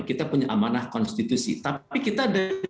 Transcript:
kita punya amanah konstitusi tapi kita